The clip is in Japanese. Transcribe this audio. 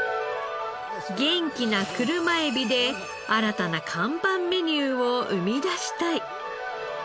元気な車エビで新たな看板メニューを生み出したい。